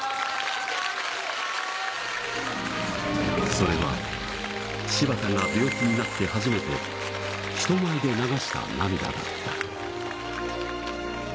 それは柴田が病気になって初めて人前で流した涙だった。